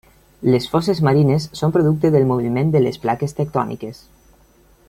Les fosses marines són producte del moviment de les places tectòniques.